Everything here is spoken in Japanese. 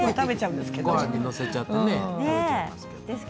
ごはんに載せちゃって食べています。